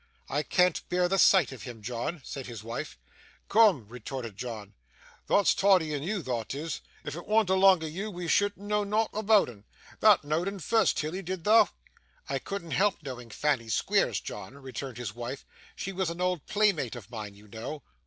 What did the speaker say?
'I can't bear the sight of him, John,' said his wife. 'Coom,' retorted John, 'thot's tidy in you, thot is. If it wa'nt along o' you, we shouldn't know nought aboot 'un. Thou know'd 'un first, Tilly, didn't thou?' 'I couldn't help knowing Fanny Squeers, John,' returned his wife; 'she was an old playmate of mine, you know.